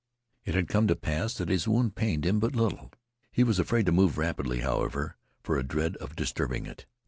It had come to pass that his wound pained him but little. He was afraid to move rapidly, however, for a dread of disturbing it.